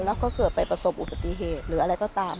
แล้วก็เกิดไปประสบอุบัติเหตุหรืออะไรก็ตาม